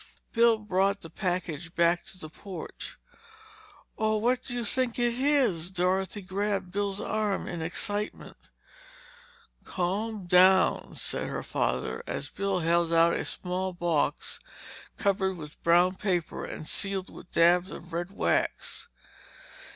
Bill brought the package back to the porch. "Oh, what do you think it is?" Dorothy grabbed Bill's arm in her excitement. "Calm down!" said her father, as Bill held out a small box covered with brown paper and sealed with dabs of red wax.